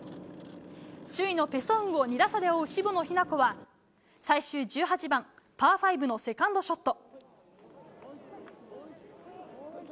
首位のペ・ソンウを２打差で追う渋野日向子は、最終１８番、パーファイブのセカンドショット。